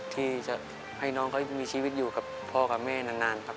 ที่จะให้น้องเขามีชีวิตอยู่กับพ่อกับแม่นานครับ